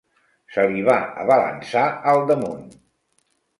Se li va abalançar al damunt.